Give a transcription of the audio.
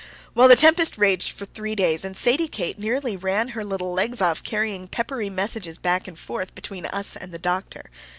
Well, the tempest raged for three days, and Sadie Kate nearly ran her little legs off carrying peppery messages back and forth between us and the doctor.